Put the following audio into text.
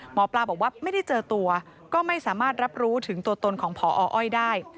หมอปลาบอกว่าไม่ได้เจอตัวก็ไม่สามารถรับรู้ถึงตัวตนของพออ้อยได้